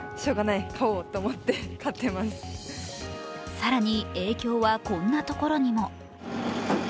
更に、影響はこんなところにも。